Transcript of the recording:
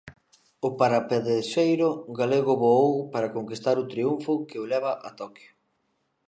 O parapadexeiro galego voou para conquistar o triunfo que o leva a Toquio.